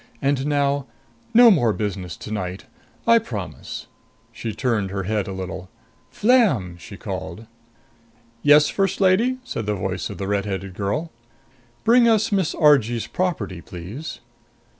And now no more business tonight. I promise." She turned her head a little. "Flam!" she called. "Yes, First Lady?" said the voice of the red headed girl. "Bring us Miss Argee's property, please."